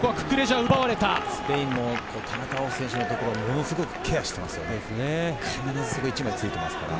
スペインも田中碧選手のところ、ものすごいケアをしています。